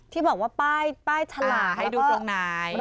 ที่บอกว่าป้ายฉลาให้ดูตรงไหน